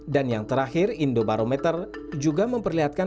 dan yang terakhir indobarometer juga memperlihatkan